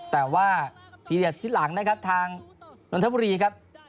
แต่ว่าทีหลังทางนนทบุรีครับ